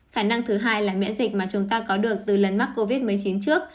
khả năng thứ hai là miễn dịch mà chúng ta có được từ lần mắc covid một mươi chín trước